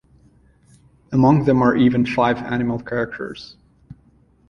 Among them are even five animal characters.